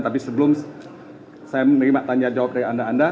tapi sebelum saya menerima tanya jawab dari anda anda